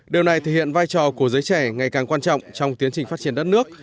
điều này thể hiện vai trò của giới trẻ ngày càng quan trọng trong tiến trình phát triển đất nước